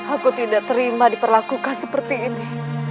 aku tidak terima diperlakukan seperti ini